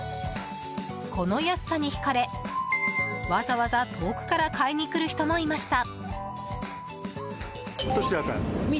この安さに引かれ、わざわざ遠くから買いに来る人もいました。